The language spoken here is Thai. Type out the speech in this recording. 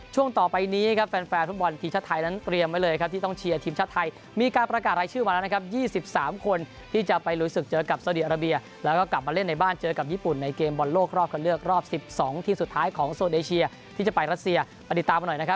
ช่วงต่อไปนี้ครับแฟนฟุตบอลทีมชาติไทยนั้นเตรียมไว้เลยครับที่ต้องเชียร์ทีมชาติไทยมีการประกาศรายชื่อมาแล้วนะครับ๒๓คนที่จะไปลุยศึกเจอกับสาวดีอาราเบียแล้วก็กลับมาเล่นในบ้านเจอกับญี่ปุ่นในเกมบอลโลกรอบคันเลือกรอบ๑๒ทีมสุดท้ายของโซนเอเชียที่จะไปรัสเซียไปติดตามมาหน่อยนะครับ